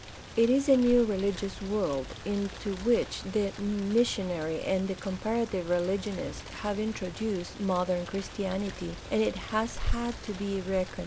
It is a new religious world into which the missionary and the com parative religionist have introduced modern Christianity, and it has had to be reckoned with.